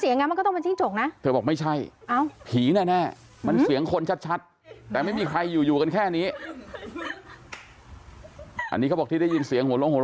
นี่